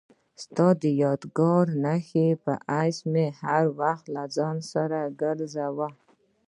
ستا د یادګار نښې په حیث مې هر وخت له ځان سره ګرځاوه.